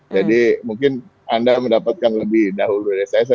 jadi mungkin anda mendapatkan lebih dahulu dari saya